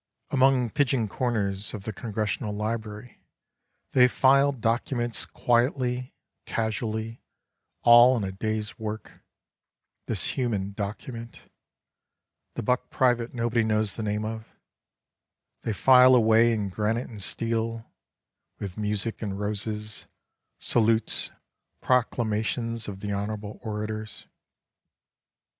(Among pigeon corners of the Congressional Library — they file documents quietly, casually, all in a day's work — this human document, the buck private nobody knows the name of — they file away in gran ite and steel — with music and roses, salutes, proc lamations of the honorable orators.)